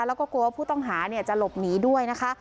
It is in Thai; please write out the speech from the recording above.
แล้วก็กลัวว่าผู้ต้องหาจะหลบหนีด้วยนะคะ